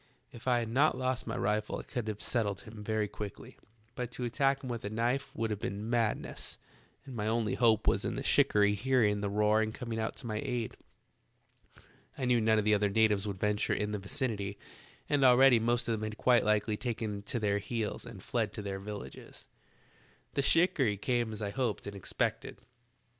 If I had not lost my rifle I could have settled him very quickly, but to attack him with a knife would have been madness, and my only hope was in the shikarry hearing the roar and coming to my aid. I knew none of the other natives would venture in the vicinity, and already the most of them had quite likely taken to their heels and fled to their villages. "The shikarry came as I hoped and expected.